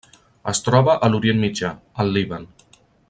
Es troba a l'Orient Mitjà: el Líban.